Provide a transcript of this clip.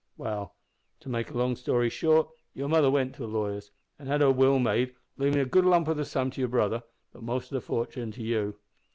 "Well, to make a long story short, your mother went to the lawyer's, an' had her will made, leavin' a good lump of a sum to your brother, but the most of the fortin to you.